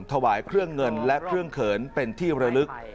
ถวายเครื่องเงินและเครื่องเขินเป็นที่ระลึก